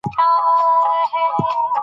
قومونه د افغانستان د ځمکې د جوړښت نښه ده.